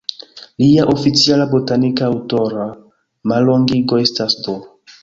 Lia oficiala botanika aŭtora mallongigo estas "D.".